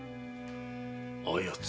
あやつ。